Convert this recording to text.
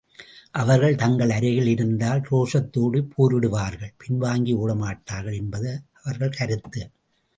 அவர்கள், தங்கள் அருகில் இருந்தால் ரோஷத்தோடு போரிடுவார்கள், பின்வாங்கி ஒடமாட்டார்கள் என்பது அவர்கள் கருத்து.